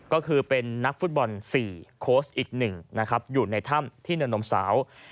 ก็คือเป็นนักฟุตบอล๔โค้ชอีก๑นะครับอยู่ในถ้ำที่เนินนมสาว